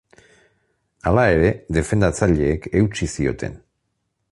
Hala ere, defendatzaileek eutsi zioten.